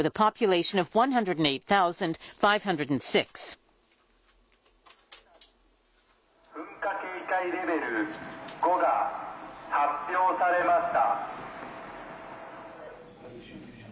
富士山に噴火警戒レベル５が発表されました。